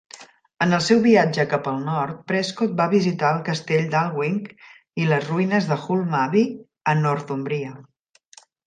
En el seu viatge cap al nord, Prescott va visitar el castell d'Alnwick i les ruïnes de Hulm Abbey a Northumbria.